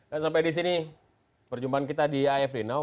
dan sampai disini perjumpaan kita di af rinaw